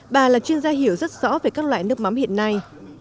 bà là chuyên gia hiểu rất rõ về các loại nước mắm hiện nay